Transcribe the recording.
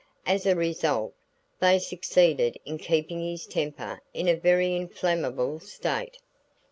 As a result, they succeeded in keeping his temper in a very inflammable state.